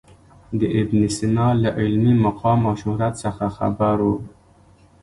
د ابن سینا له علمي مقام او شهرت څخه خبر و.